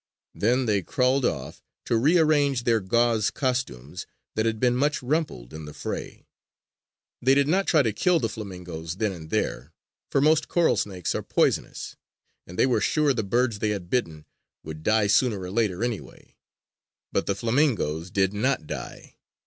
Then they crawled off, to rearrange their gauze costumes that had been much rumpled in the fray. They did not try to kill the flamingoes then and there; for most coral snakes are poisonous; and they were sure the birds they had bitten would die sooner or later anyway. But the flamingoes did not die.